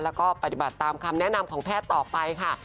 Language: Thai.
แล้วก็ปฏิบัติตามคำแนะนำของแพทย์ต่อไปค่ะ